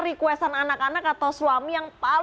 jika puasa misalnya sahur atau buka puasa gitu kan